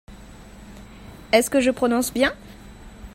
Est-ce que je prononce bien ?